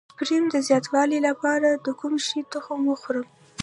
د سپرم د زیاتوالي لپاره د کوم شي تخم وخورم؟